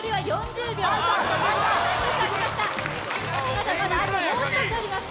まだまだあともう一つあります